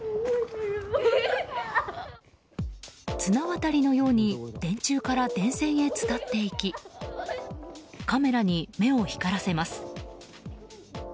綱渡りのように電柱から電線へ伝っていきカメラに目を光らせます。